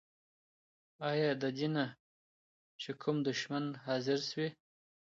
آيا ددينه چې کوم دشمن حاضر شوی؟